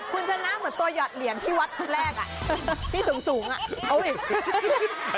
คุณชนะเหมือนตัวหยอดเหลี่ยงที่วัดแรกที่สูงอ่ะ